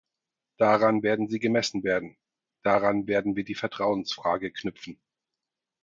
Daran werden Sie gemessen werden, daran werden wir die Vertrauensfrage knüpfen!